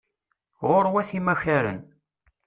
Ɣurwat imakaren.